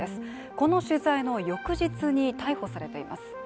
この取材の翌日に逮捕されています。